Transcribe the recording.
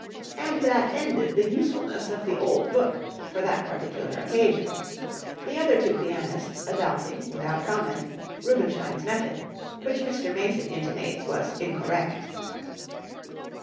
'" And that ended the usefulness of "the old book" for that particular occasion, the other two pianists adopting, without comment, Rubinstein's method, which Mr. Mason intimates was incorrect.